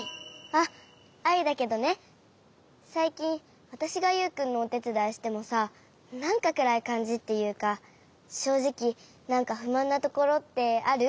あっアイだけどねさいきんわたしがユウくんのおてつだいしてもさなんかくらいかんじっていうかしょうじきなんかふまんなところってある？